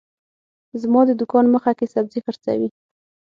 زما د دوکان مخه کي سبزي حرڅوي